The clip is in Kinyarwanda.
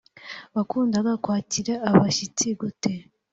wakundaga kwakira abashyitsi gute